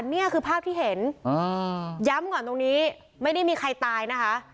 นี่คือภาพที่เห็นย้ำก่อนตรงนี้ไม่ได้มีใครตายนะคะ